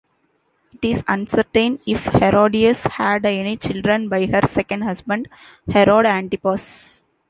It is uncertain if Herodias had any children by her second husband, Herod Antipas.